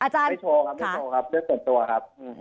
ไม่โชว์ครับไม่โชว์ครับเรื่องส่วนตัวครับ